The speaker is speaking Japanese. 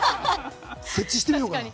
設置してみようかな。